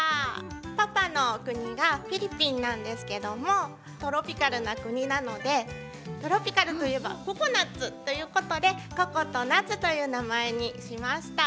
パパのおくにがフィリピンなんですけどもトロピカルなくになのでトロピカルといえばココナツということで「ここ」と「なつ」というなまえにしました。